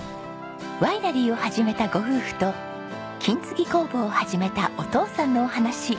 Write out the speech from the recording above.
ワイナリーを始めたご夫婦と金継ぎ工房を始めたお父さんのお話。